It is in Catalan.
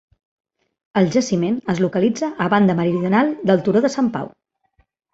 El jaciment es localitza a la banda meridional del turó de Sant Pau.